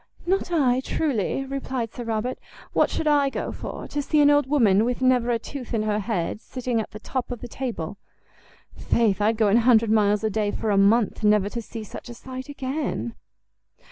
"Not I, truly," replied Sir Robert; "what should I go for? to see an old woman with never a tooth in her head sitting at the top of the table! Faith, I'd go an hundred miles a day for a month never to see such a sight again."